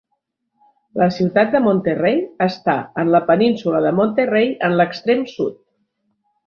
La ciutat de Monterrey està en la Península de Monterrey en l'extrem sud.